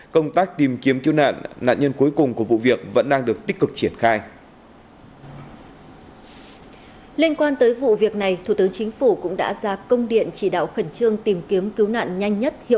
công tác tìm kiếm cứu nạn nạn nhân cuối cùng của vụ việc vẫn đang được tích cực triển khai